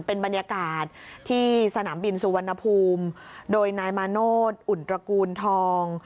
เป็นบรรยากาศที่สนามบินสุวรรณภูมิโดยนายมาโนธอุ่นตระกูลทอง